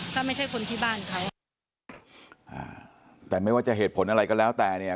ก็ไม่ใช่คนที่บ้านเขาอ่าแต่ไม่ว่าจะเหตุผลอะไรก็แล้วแต่เนี่ย